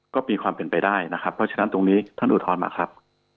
ก็มีความเป็นไปได้นะครับเพราะฉะนั้นตรงนี้ท่านอุทธรณ์มาครับ